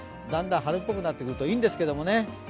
だんだん春っぽくなってくるといいんですけどね。